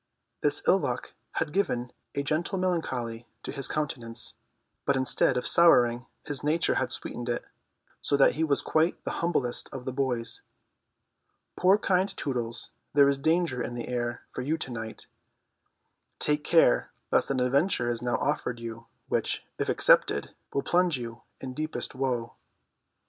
This ill luck had given a gentle melancholy to his countenance, but instead of souring his nature had sweetened it, so that he was quite the humblest of the boys. Poor kind Tootles, there is danger in the air for you to night. Take care lest an adventure is now offered you, which, if accepted, will plunge you in deepest woe.